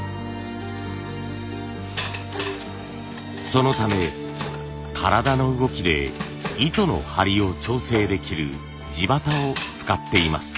そのため体の動きで糸の張りを調整できる地機を使っています。